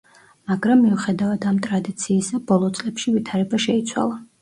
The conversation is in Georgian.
მაგრამ მიუხედავად ამ ტრადიციისა, ბოლო წლებში ვითარება შეიცვალა.